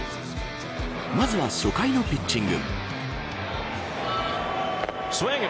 まずは初回のピッチング。